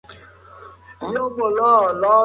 هغه غواړي چې په پټي کې کار وکړي.